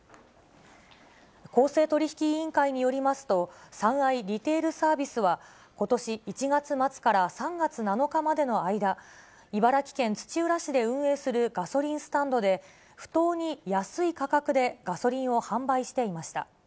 公正取引委員会によりますと、三愛リテールサービスは、ことし１月末から３月７日までの間、茨城県土浦市で運営するガソリンスタンドで、不当に安い価格でガソリンを販売していました。